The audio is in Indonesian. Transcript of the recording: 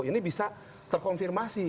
ini bisa terkonfirmasi